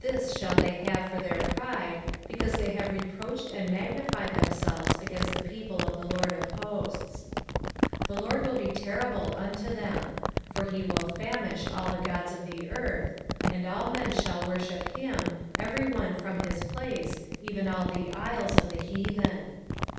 2:10 This shall they have for their pride, because they have reproached and magnified themselves against the people of the LORD of hosts. 2:11 The LORD will be terrible unto them: for he will famish all the gods of the earth; and men shall worship him, every one from his place, even all the isles of the heathen.